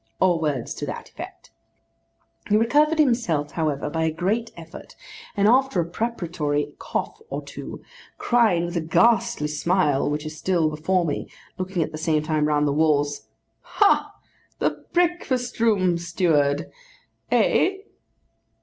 or words to that effect. He recovered himself however by a great effort, and after a preparatory cough or two, cried, with a ghastly smile which is still before me, looking at the same time round the walls, 'Ha! the breakfast room, steward—eh?